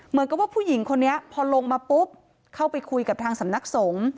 เหมือนกับว่าผู้หญิงคนนี้พอลงมาปุ๊บเข้าไปคุยกับทางสำนักสงฆ์